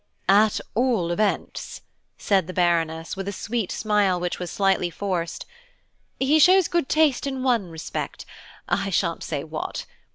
"At all events," said the Baroness, with a sweet smile which was slightly forced, "he shows good taste in one respect, I shan't say what.